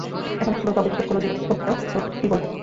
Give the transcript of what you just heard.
এখন স্কুলের কাউরে জিজ্ঞেস করো জীবনে কী করতে চাও, তো কী বলবে?